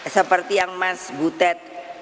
seperti yang mas butet